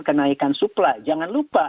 kenaikan suplai jangan lupa